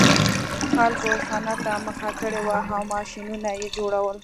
خلکو صنعت ته مخه کړې وه او ماشینونه یې جوړول